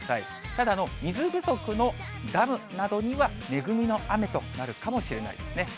ただ水不足のダムなどには、恵みの雨となるかもしれないですね。